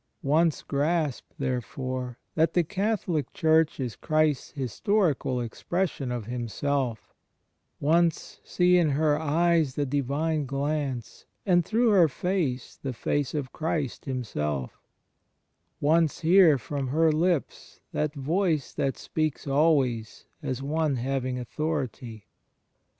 Once grasp, therefore, that the Catholic Church is Christ's historical expression of Himself: once see in her Eyes the Divine glance, and through her face the Face of Christ Himself: once hear from her lips that Voice that speaks always "as one having authority";^ and ^ Matt, vii : 29.